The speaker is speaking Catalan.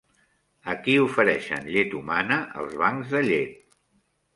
A qui ofereixen llet humana els bancs de llet?